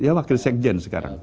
dia wakil sekjen sekarang